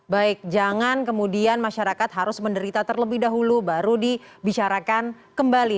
baik jangan kemudian masyarakat harus menderita terlebih dahulu baru dibicarakan kembali